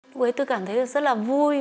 lúc ấy tôi cảm thấy rất là vui